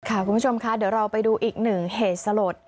คุณผู้ชมค่ะเดี๋ยวเราไปดูอีกหนึ่งเหตุสลด